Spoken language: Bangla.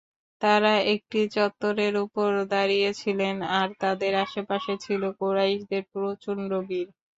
তারা একটি চত্বরের উপর দাঁড়িয়ে ছিলেন আর তাদের আশে-পাশে ছিল কুরাইশদের প্রচণ্ড ভীড়।